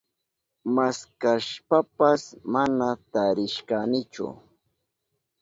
Maskashpapas mana tarishkanichu.